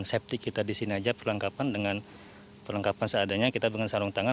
seperti kita disini aja perlengkapan dengan perlengkapan seadanya kita dengan sarung tangan